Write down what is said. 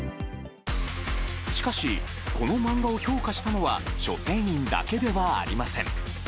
しかし、この漫画を評価したのは書店員だけではありません。